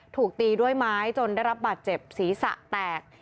ถูกตีด้วยไม้จนได้รับบาดเจ็บศีรษะแตก